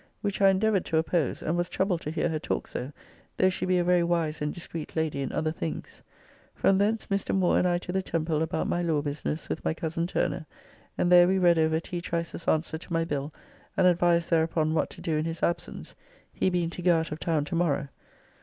Which I endeavoured to oppose; and was troubled to hear her talk so, though she be a very wise and discreet lady in other things. From thence Mr. Moore and I to the Temple about my law business with my cozen Turner, and there we read over T. Trice's answer to my bill and advised thereupon what to do in his absence, he being to go out of town to morrow.